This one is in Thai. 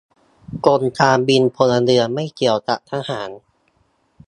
กรมการบินพลเรือนไม่เกี่ยวกับทหาร